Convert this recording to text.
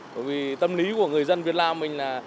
bởi vì tâm lý của người dân việt nam mình là